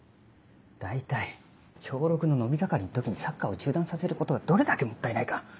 大体小６の伸び盛りの時にサッカーを中断させることがどれだけもったいないか